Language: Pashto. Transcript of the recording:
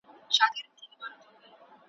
چي تر شا وه پاته سوي دوه ملګري ,